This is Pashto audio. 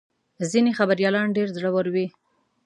ځینې خبریالان ډېر زړور وي.